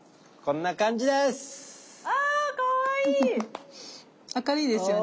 こんな感じです。